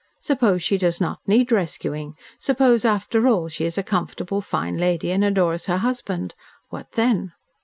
Suppose she does not need rescuing. Suppose, after all, she is a comfortable, fine lady and adores her husband. What then?"